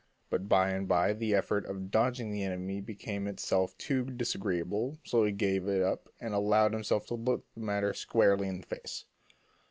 But by and by the effort of dodging the enemy became itself too disagreeable, so he gave it up and allowed himself to look the matter squarely in the face.